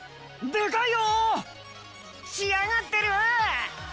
でかいよ！しあがってる！